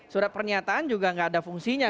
surat pernyataan juga nggak ada fungsinya